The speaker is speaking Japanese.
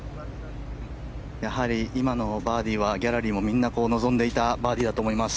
やはり今のバーディーはギャラリーもみんな望んでいたバーディーだと思います。